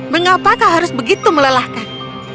mengapakah harus begitu melelahkan